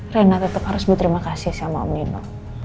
rena tetap harus berterima kasih sama om nino